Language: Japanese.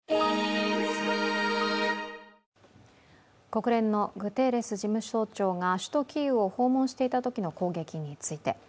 国連のグテーレス事務総長が首都キーウを訪問していたときの攻撃について。